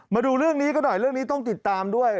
มาดูเรื่องนี้ก็หน่อยเรื่องนี้ต้องติดตามด้วย